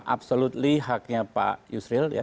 absolutely haknya pak yusril ya